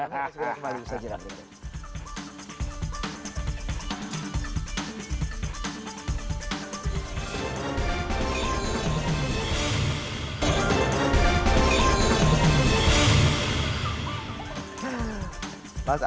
kita segera kembali bersajaran